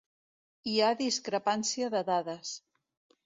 Hi ha discrepància de dades.